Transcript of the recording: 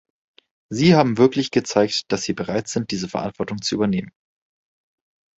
Sie haben wirklich gezeigt, dass Sie bereit sind, diese Verantwortung zu übernehmen.